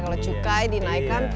kalau cukai dinaikkan